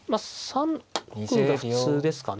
３六歩が普通ですかね。